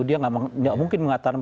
dia tidak mungkin mengatakan